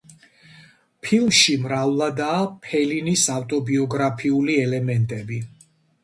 ფილმში მრავლადაა ფელინის ავტობიოგრაფიული ელემენტები.